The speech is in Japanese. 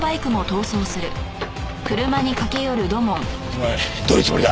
お前どういうつもりだ！